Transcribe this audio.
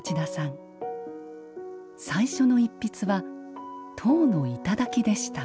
最初の一筆は塔の頂でした。